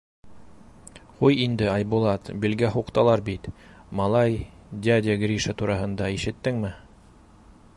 — Ҡуй инде, Айбулат, билгә һуҡтылар бит, малай, дядя Гриша тураһында ишеттеңме?